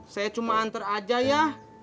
saya cuma antar aja ya